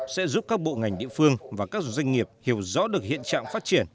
sẽ giúp các bộ ngành địa phương và các doanh nghiệp hiểu rõ được hiện trạng phát triển